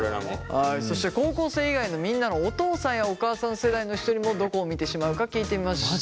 はいそして高校生以外のみんなのお父さんやお母さん世代の人にもどこを見てしまうか聞いてみました。